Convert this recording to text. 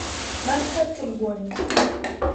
Нас і адтуль гоняць.